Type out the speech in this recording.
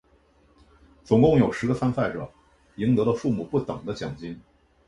总共有十个参赛者赢得了数目不等的奖金。